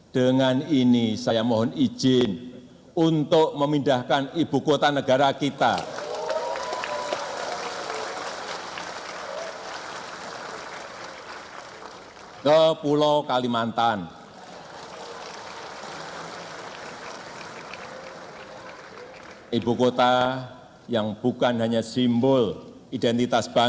dengan ini saya mohon izin untuk memindahkan ibu kota negara kita